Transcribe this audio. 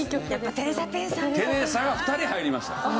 テレサが２人入りました。